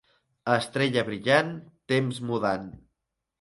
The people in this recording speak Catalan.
Estrella brillant, temps mudant.